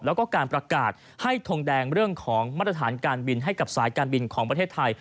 แล้วก็การประกาศให้ทงแดงเรื่องของมาตรฐานการบินให้กับสายการบินของประเทศไทย